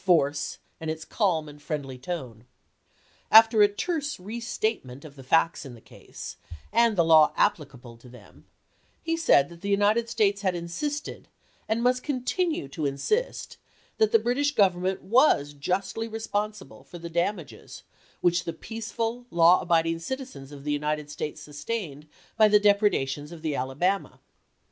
force, and its calm and friendly tone. After a terse restatement of the facts in the case, and the law applicable to them, he said that the United States had insisted, and must continue to insist, that the British Government was justly responsible for the damages which the peaceful, law abiding citizens of the United States sustained by the depredations of the Alabama.